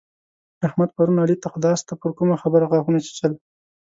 احمد پرون علي ته خداسته پر کومه خبره غاښونه چيچل.